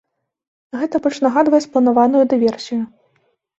Гэта больш нагадвае спланаваную дыверсію.